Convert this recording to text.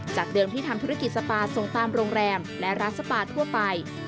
เดิมที่ทำธุรกิจสปาส่งตามโรงแรมและร้านสปาทั่วไป